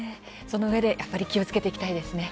そのうえでやっぱり気をつけていきたいですね。